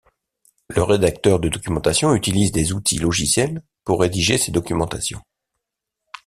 Le rédacteur de documentation utilise des outils logiciels pour rédiger ces documentations.